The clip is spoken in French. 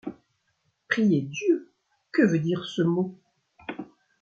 Prier Dieu, que veut dire ce mot ?